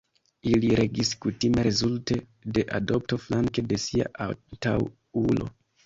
Ili regis kutime rezulte de adopto flanke de sia antaŭulo.